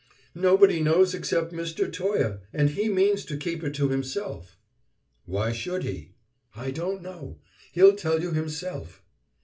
"Nobody knows except Mr. Toye, and he means to keep it to himself." "Why should he?" "I don't know. He'll tell you himself."